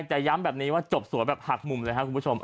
แต่ย้ำแบบนี้ว่าจบสวยแบบหักมุมเลยครับคุณผู้ชม